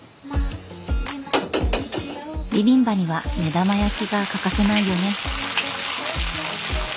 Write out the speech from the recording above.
ビビンバには目玉焼きが欠かせないよね。